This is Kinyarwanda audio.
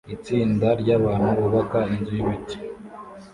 Itsinda ryabantu bubaka inzu yibiti